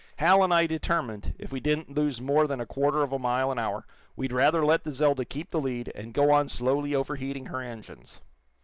Hal and I determined, if we didn't lose more than a quarter of a mile an hour, we'd rather let the 'Zelda' keep the lead, and go on slowly overheating her engines.